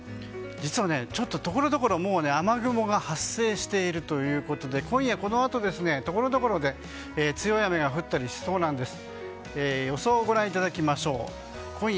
実はちょっとところどころもう雨雲が発生しているということで今夜、このあとところどころで強い雨が降ったりしそうなんです。